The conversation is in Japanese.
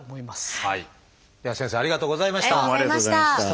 では先生ありがとうございました。